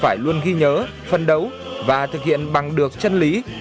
phải luôn ghi nhớ phân đấu và thực hiện bằng được chân lý